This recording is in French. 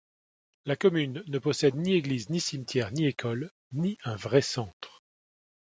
La commune ne possède ni église, ni cimetière, ni école, ni un vrai centre.